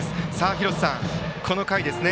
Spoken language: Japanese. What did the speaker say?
廣瀬さん、この回ですね。